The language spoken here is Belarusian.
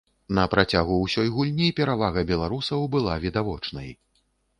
На працягу ўсёй гульні перавага беларусаў была відавочнай.